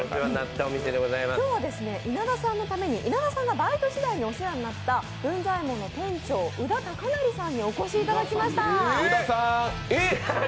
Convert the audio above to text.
今日は稲田さんのために稲田さんがバイト時代にお世話になった文在ヱ門の店長・宇田幸生さんにお越しいただきました。